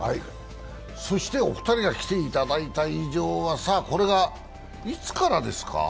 そして、お二人が来ていただいた以上はこれが、いつからですか？